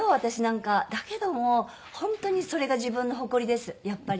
だけども本当にそれが自分の誇りですやっぱり。